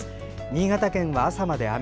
新潟県は朝まで雨。